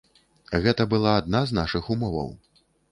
Гэта была адна з нашых умоваў.